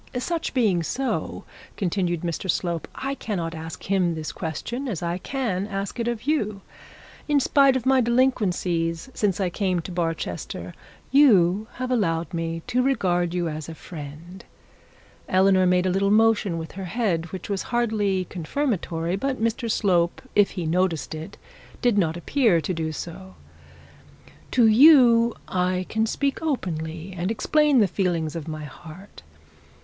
'Such being so,' continued Mr Slope, 'I cannot ask him this question as I can ask it of you. In spite of my delinquencies since I came to Barchester you have allowed me to regard you as a friend.' Eleanor made a little motion with her head which was hardly confirmatory, but Mr Slope if he noticed it, did not appear to do so. 'To you I can speak openly, and explain the feelings of my heart.